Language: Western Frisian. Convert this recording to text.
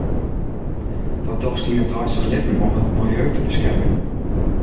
Wat dochst yn it deistich libben om it miljeu te beskermjen?